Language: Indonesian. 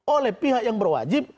oleh pihak yang berwajib